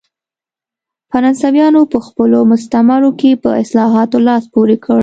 فرانسویانو په خپلو مستعمرو کې په اصلاحاتو لاس پورې کړ.